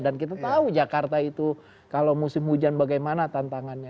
dan kita tahu jakarta itu kalau musim hujan bagaimana tantangannya